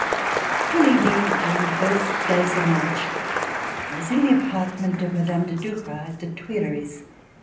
One evening during the first days of March, I was in the apartment of Mme. de Duras at the Tuileries.